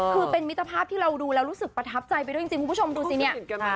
คือเป็นมิตรภาพที่เราดูแล้วรู้สึกประทับใจไปด้วยจริงคุณผู้ชมดูสิเนี่ย